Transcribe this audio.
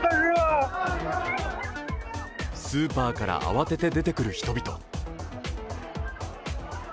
スーパーから慌てて出てくる人々。